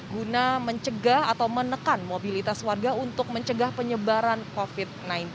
guna mencegah atau menekan mobilitas warga untuk mencegah penyebaran covid sembilan belas